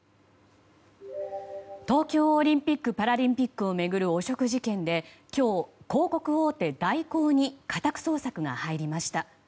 東京オリンピック・パラリンピックを巡る汚職事件で今日、広告大手・大広に家宅捜索が入りました。